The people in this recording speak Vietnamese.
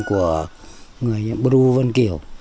của người bru vân kiều